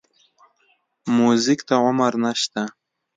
موزیک ته عمر نه شته.